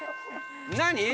何？